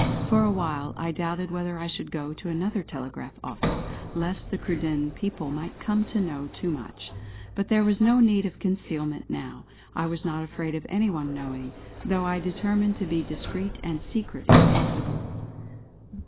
For a while I doubted whether I should go to another telegraph office, lest the Cruden people might come to know too much. But there was no need of concealment now. I was not afraid of any one knowing, though I determined to be discreet and secret if possible.